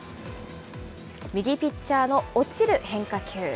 右ピッチャーの落ちる変化球。